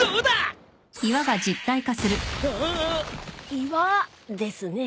岩ですね。